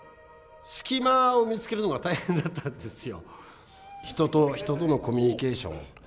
隙間を見つけるのが大変だったんですよ。